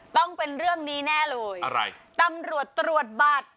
ต้องเป็นเรื่องนี้แน่เลยอะไรตำรวจตรวจบัตร